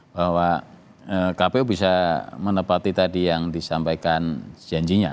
bahwa kpu bisa menepati tadi yang disampaikan janjinya